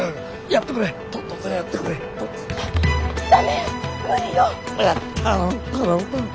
やってくれ頼む。